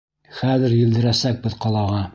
Хәҙер елдерәсәкбеҙ ҡалаға...